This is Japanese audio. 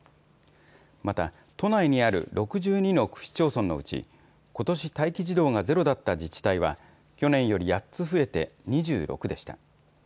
また、都内にある６２の区市町村のうち、ことし待機児童がゼロだった自治体は去年より８つ増えて、２６でした。